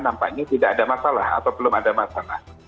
nampaknya tidak ada masalah atau belum ada masalah